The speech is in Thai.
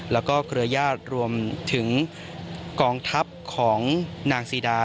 แล้วก็เครือญาติรวมถึงกองทัพของนางซีดา